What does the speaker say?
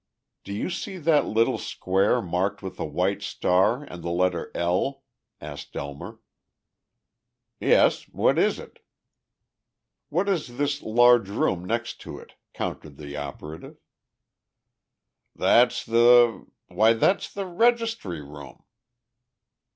"Do you see that little square marked with a white star and the letter 'L'?" asked Elmer. "Yes, what is it?" "What is this large room next to it?" countered the operative. "That's the why, that's the registry room!"